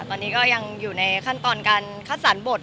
ตอนนี้ก็ยังอยู่ในขั้นตอนการคัดสรรบท